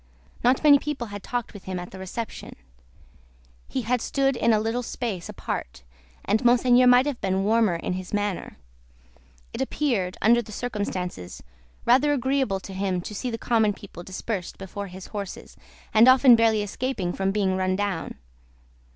Not many people had talked with him at the reception; he had stood in a little space apart, and Monseigneur might have been warmer in his manner. It appeared, under the circumstances, rather agreeable to him to see the common people dispersed before his horses, and often barely escaping from being run down.